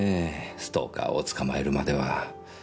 ストーカーを捕まえるまでは。